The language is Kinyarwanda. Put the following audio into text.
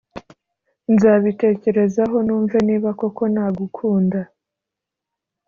nzabitekerezaho numve niba koko nagukunda.